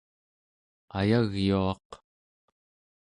ayagyuaq